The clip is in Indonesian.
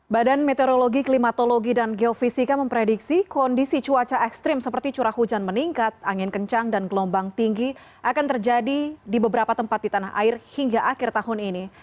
badan meteorologi klimatologi dan geofisika memprediksi kondisi cuaca ekstrim seperti curah hujan meningkat angin kencang dan gelombang tinggi akan terjadi di beberapa tempat di tanah air hingga akhir tahun ini